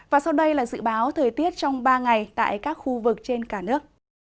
và sau đây là dự báo thời tiết trong ba ngày tại các khu vực trên cả nước